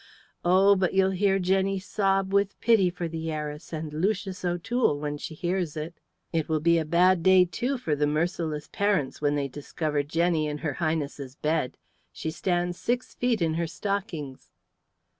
Oh! but you'll hear Jenny sob with pity for the heiress and Lucius O'Toole when she hears it. It will be a bad day, too, for the merciless parents when they discover Jenny in her Highness's bed. She stands six feet in her stockings."